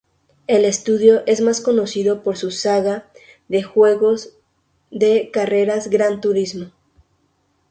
El estudio es más conocido por su saga de juegos de carreras Gran Turismo.